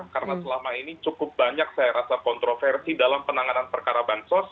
karena selama ini cukup banyak saya rasa kontroversi dalam penanganan perkara bansos